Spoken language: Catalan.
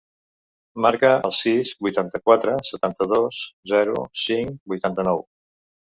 Marca el sis, vuitanta-quatre, setanta-dos, zero, cinc, vuitanta-nou.